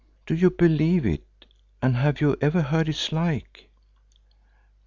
Do you believe it and have you ever heard its like?"